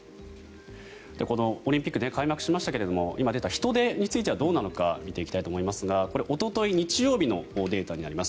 このオリンピックが開幕しましたけど今、出た人出についてはどうなのか見ていきますがこれ、おととい、日曜日のデータになります。